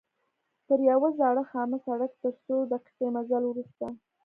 پر یوه زاړه خامه سړک تر څو دقیقې مزل وروسته.